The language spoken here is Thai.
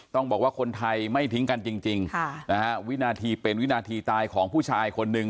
ต้องบอกว่าคนไทยไม่ทิ้งกันจริงค่ะนะฮะวินาทีเป็นวินาทีตายของผู้ชายคนหนึ่ง